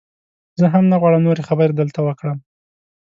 زه هم نه غواړم نورې خبرې دلته وکړم.